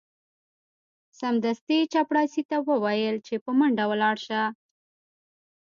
سمدستي یې چپړاسي ته وویل چې په منډه ولاړ شه.